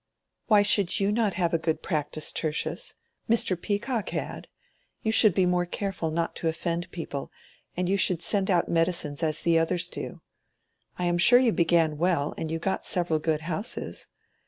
"Why should not you have a good practice, Tertius? Mr. Peacock had. You should be more careful not to offend people, and you should send out medicines as the others do. I am sure you began well, and you got several good houses.